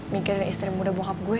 mikirin istri muda bohab gue